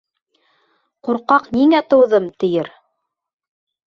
Ҡурҡаҡ ниңә тыуҙым, тиер.